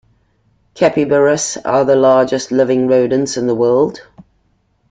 Capybaras are the largest living rodents in the world.